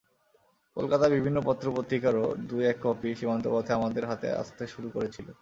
কলকাতার বিভিন্ন পত্রপত্রিকারও দু-এক কপি সীমান্তপথে আমাদের হাতে আসতে শুরু করেছিল।